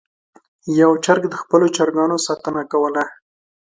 یو چرګ د خپلو چرګانو ساتنه کوله.